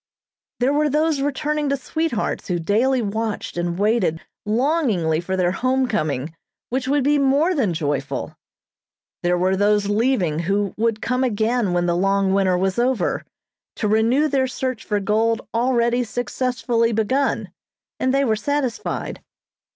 There were those returning to sweethearts who daily watched and waited longingly for their home coming which would be more than joyful. There were those leaving who would come again when the long winter was over, to renew their search for gold already successfully begun; and they were satisfied.